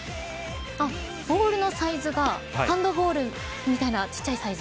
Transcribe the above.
ボールのサイズがハンドボールみたいなちっちゃいサイズ。